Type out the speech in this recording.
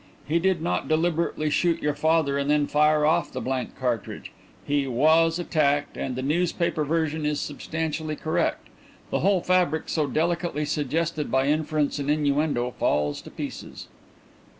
He did not deliberately shoot your father and then fire off the blank cartridge. He was attacked and the newspaper version is substantially correct. The whole fabric so delicately suggested by inference and innuendo falls to pieces."